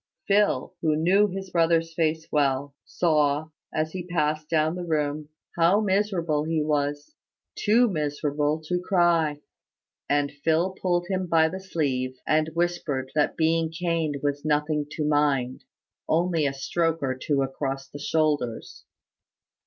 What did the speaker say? Phil, who knew his brother's face well, saw, as he passed down the room, how miserable he was too miserable to cry; and Phil pulled him by the sleeve, and whispered that being caned was nothing to mind only a stroke or two across the shoulders.